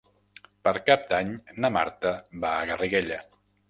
Per Cap d'Any na Marta va a Garriguella.